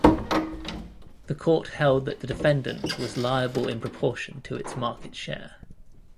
The court held that the defendant was liable in proportion to its market share.